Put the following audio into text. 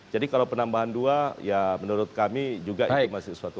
jadi kalau penambahan dua ya menurut kami juga itu masih suatu hal